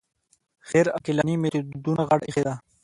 غیر عقلاني میتودونو غاړه ایښې ده